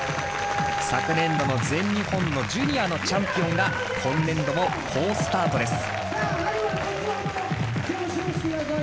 昨年度の全日本のジュニアのチャンピオンが今年度も好スタートです。